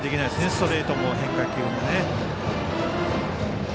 ストレートも変化球も。